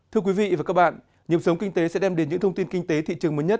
thưa quý vị và các bạn nhiệm sống kinh tế sẽ đem đến những thông tin kinh tế thị trường mới nhất